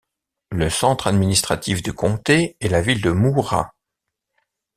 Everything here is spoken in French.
Le centre administratif du comté est la ville de Moora.